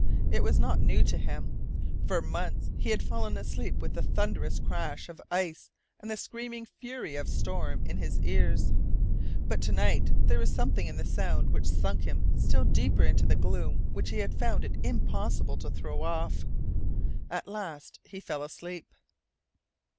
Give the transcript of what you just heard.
It was not new to him. For months he had fallen asleep with the thunderous crash of ice and the screaming fury of storm in his ears. But to night there was something in the sound which sunk him still deeper into the gloom which he had found it impossible to throw off. At last he fell asleep.